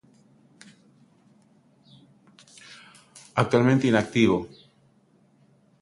Actualmente inactivo.